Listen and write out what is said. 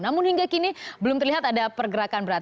namun hingga kini belum terlihat ada pergerakan berat